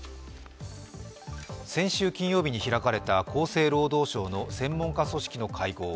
先週金曜日に開かれた厚生労働省の専門家組織の会合。